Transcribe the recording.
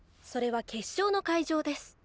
それは決勝の会場です。